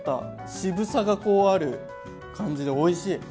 渋さがこうある感じでおいしい！